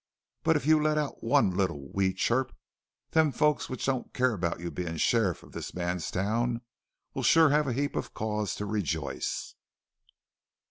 "But if you let out one little wee chirp them folks which don't care about you bein' sheriff of this man's town will sure have a heap of cause to rejoice."